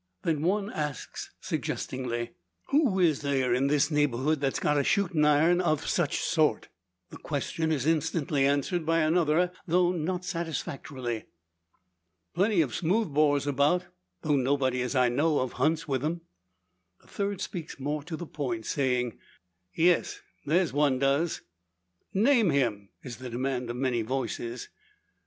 Then one asks, suggestingly: "Who is there in this neighbourhood that's got a shooting iron of such sort?" The question is instantly answered by another, though not satisfactorily. "Plenty of smooth bores about, though nobody as I knows of hunts with them." A third speaks more to the point, saying: "Yes; there's one does." "Name him!" is the demand of many voices.